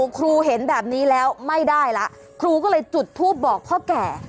ครูเห็นแบบนี้แล้วไม่ได้ละครูก็เลยจุดทูปบอกพ่อแก่